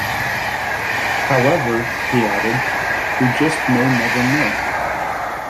However, he added, "We just may never know".